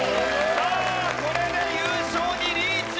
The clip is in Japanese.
さあこれで優勝にリーチ！